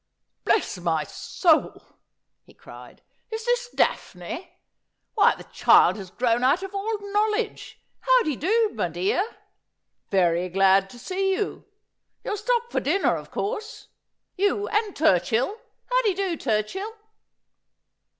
' Bless my soul !' he cried. ' Is this Daphne ? Why the child has grown out of all knowledge. How d'ye do, my dear ? Very glad to see you. You'll stop to dinner, of course. You and Turchill. How d'ye do, Turchill